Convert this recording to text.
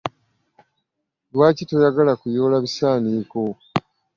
Lwaki toyagala kuyoola bisaniiko?